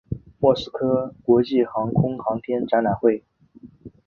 莫斯科国际航空航天展览会。